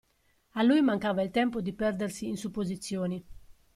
A lui mancava il tempo di perdersi in supposizioni.